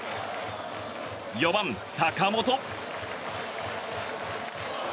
４番、坂本。